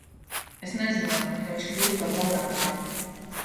Es nezināju, ka viņš kļūs par vajātāju!